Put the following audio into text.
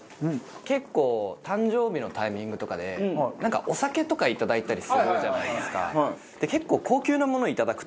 結構誕生日のタイミングとかでなんかお酒とかいただいたりするじゃないですか。